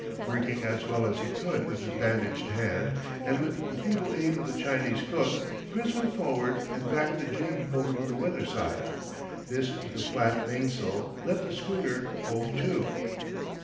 Working as well as he could with his bandaged hand, and with the feeble aid of the Chinese cook, Chris went forward and backed the jib over to the weather side. This with the flat mainsail, left the schooner hove to.